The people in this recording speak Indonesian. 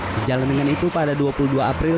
sejalan dengan itu pada dua puluh dua april